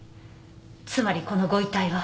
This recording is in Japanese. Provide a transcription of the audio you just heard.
つまりこのご遺体は。